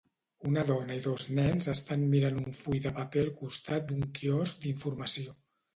Una dona i dos nens estan mirant un full de paper al costat d'un quiosc d'informació.